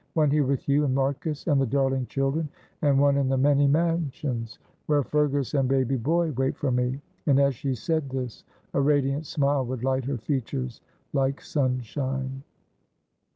"One here with you and Marcus and the darling children, and one in the 'many mansions,' where Fergus and baby boy wait for me." And as she said this a radiant smile would light her features like sunshine.